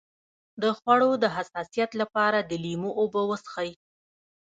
د خوړو د حساسیت لپاره د لیمو اوبه وڅښئ